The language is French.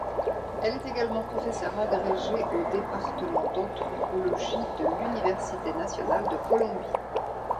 Elle est également professeur agrégée au département d'anthropologie de l'université nationale de Colombie.